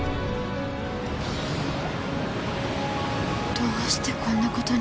どうしてこんなことに。